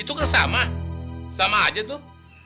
itu kan sama sama aja tuh